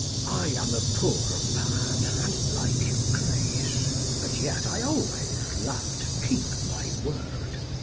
Mess. I am a poor man, and it like your grace ; But yet I always love to keep my word.